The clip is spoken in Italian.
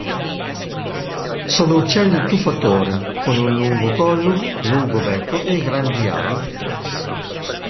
Sono uccelli tuffatori con un lungo collo, lungo becco e grandi ali.